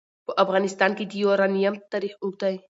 په افغانستان کې د یورانیم تاریخ اوږد دی.